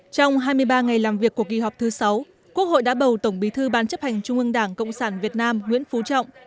trong hai mươi ba ngày làm việc của kỳ họp thứ sáu quốc hội đã bầu tổng bí thư ban chấp hành trung ương đảng cộng sản việt nam nguyễn phú trọng